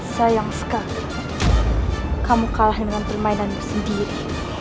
sayang sekali kamu kalah dengan permainan sendiri